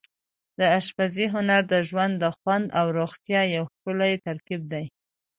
د اشپزۍ هنر د ژوند د خوند او روغتیا یو ښکلی ترکیب دی.